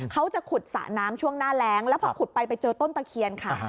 เขาจะขุดสระน้ำช่วงหน้าแรงแล้วพอขุดไปไปเจอต้นตะเคียนค่ะ